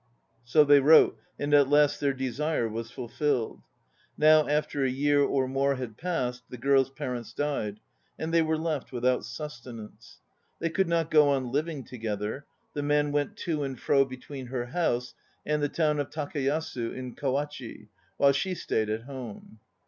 2 So they wrote, and at last their desire was fulfilled. Now after a year or more had passed the girl's parents died, and they were left without sustenance. They could not go on living together; the man went to and fro between her house and the town of Takayasu in Kawachi, while she stayed at home.